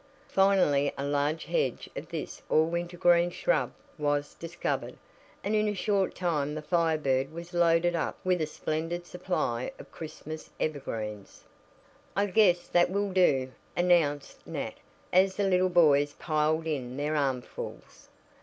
Finally a large hedge of this all winter green shrub was discovered, and in a short time the Fire Bird was loaded up with a splendid supply of Christmas evergreens. "I guess that will do," announced Nat, as the little boys piled in their armfuls.